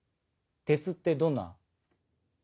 鉄ってどんな？